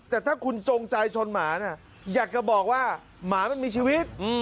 แต่ถ้าคุณจงใจชนหมาเนี่ยอยากจะบอกว่าหมามันมีชีวิต